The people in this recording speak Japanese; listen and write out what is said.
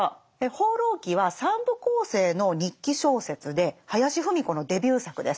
「放浪記」は三部構成の日記小説で林芙美子のデビュー作です。